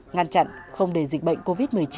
ngăn chặn không để dịch bệnh covid một mươi chín